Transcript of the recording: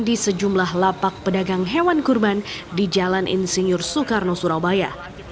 di sejumlah lapak pedagang hewan kurban di jalan insinyur soekarno surabaya